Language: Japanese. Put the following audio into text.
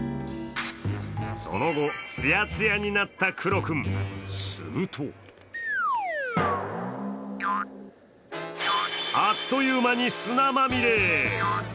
その後、ツヤツヤになったクロ君、するとあっという間に砂まみれ。